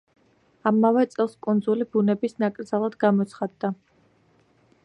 ამავე წელს კუნძული ბუნების ნაკრძალად გამოცხადდა.